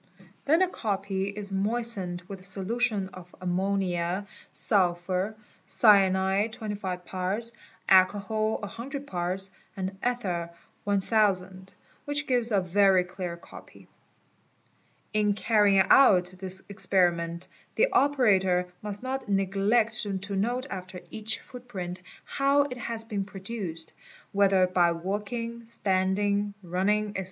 Then the copy is moistened with a solution of ammon. sulf. cyanide 25 parts, alcohal 100 parts, and ether 1000, which gives a very clear copy "8", _ In carrying out this experiment the operator must not neglect to note after each footprint how it has been produced, whether by walk ng, standing, running, &c.